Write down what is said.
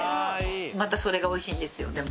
またそれが美味しいんですよでも。